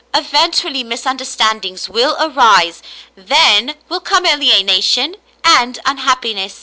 Eventually misunderstandings will arise, then will come alienation and unhappiness.